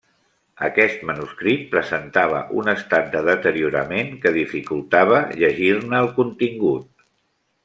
Aquest manuscrit presentava un estat de deteriorament que dificultava llegir-ne el contingut.